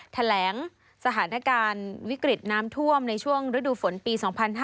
แถลงสถานการณ์วิกฤตน้ำท่วมในช่วงฤดูฝนปี๒๕๕๙